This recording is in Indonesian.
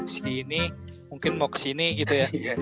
sini mungkin mau kesini gitu ya